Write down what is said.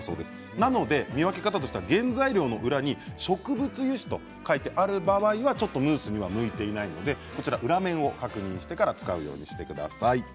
なので、見分け方としては原材料の裏に植物油脂と書いてある場合はムースには向いていないので裏面を確認してから使うようにしてください。